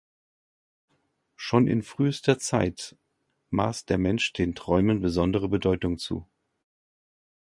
Schon in frühester Zeit maß der Mensch den Träumen besondere Bedeutung zu.